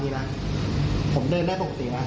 เราก็อยากรู้ว่า